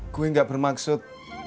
gue gak bermaksud